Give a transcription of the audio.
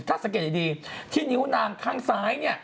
ถ้าสังเกตดีที่นิ้วนางข้างซ้ายเนี่ย